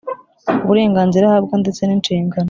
uburenganzira ahabwa ndetse n’inshingano